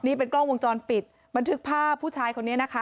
นี่เป็นกล้องวงจรปิดบันทึกภาพผู้ชายคนนี้นะคะ